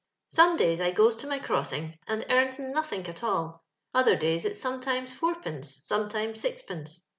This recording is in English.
" Some days I goes to my crossing, and earns nothink at all : other days it's sometimes four l)ence, sometimes sixpence.